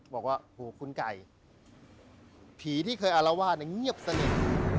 บอกว่าโหคุณไก่ผีที่เคยอารวาสเนี่ยเงียบสนิท